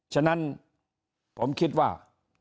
ฉะนั้นผมคิดว่า